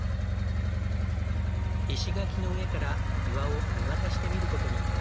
石垣の上から庭を見渡してみることに。